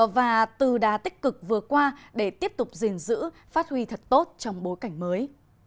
và từ đà tích cực vừa qua để tiếp tục gìn giữ phát huy thật tốt trong bối cảnh mới